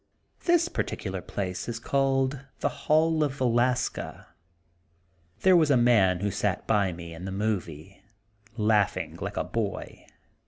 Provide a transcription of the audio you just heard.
This particular place is called The Hall of Vel aska. '' There was a man who sat by me in the movie laughing like a boy.